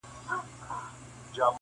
شپږي څرنگه له سر څخه ټولېږي٫